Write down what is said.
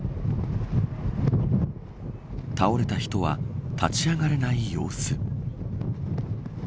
倒れた人は立ち上がれない様子。